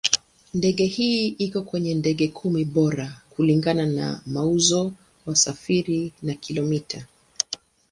Ndege hii iko kwenye ndege kumi bora kulingana na mauzo, wasafiri na kilomita.